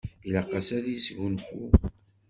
Ilaq-as ad yesgunfu.